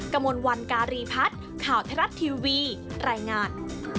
กระมวลวันการีพัฒน์ข่าวไทยรัฐทีวีรายงาน